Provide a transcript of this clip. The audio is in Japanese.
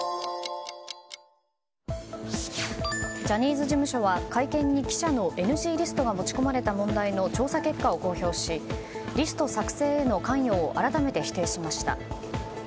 ジャニーズ事務所は会見に記者のＮＧリストが持ち込まれた問題の調査結果を公表しリスト作成への関与を改めて否定しました。